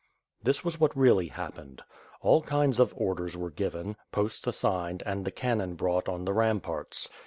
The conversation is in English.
This was what really happened. All kinds of orders were given, posts assigned and the cannon brought on the ram Sarts.